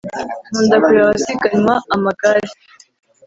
Nkunda kureba abasiganywa kumagare